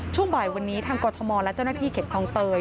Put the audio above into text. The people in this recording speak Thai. ช่วงบ่ายวันนี้ทางกรทมและเจ้าหน้าที่เข็ดคลองเตย